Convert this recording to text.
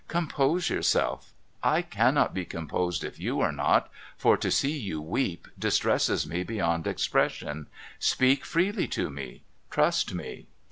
' Compose yourself. I cannot be composed if you are not, for to see you weep distresses me beyond expression. Speak freely to me. Trust me.'